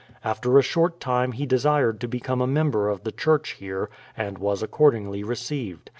After a short time he desired to become a member of the church here, and was accordingly received.